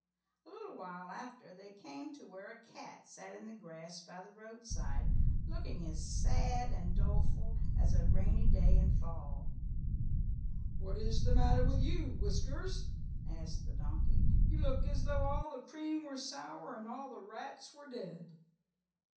A little while after they came to where a cat sat in the grass by the roadside, looking as sad and doleful as a rainy day in fall. "What is the matter with you, Whiskers?" asked the donkey. "You look as though all the cream were sour and all the rats were dead."